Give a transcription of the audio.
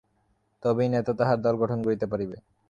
তবেই নেতা তাহার দল গঠন করিতে পারিবে।